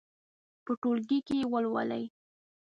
په ټولګي کې یې ولولئ.